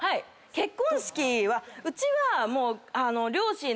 結婚式はうちは。